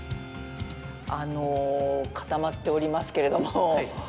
あの固まっておりますけれども。